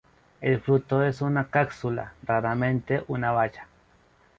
El fruto es una cápsula, raramente una baya.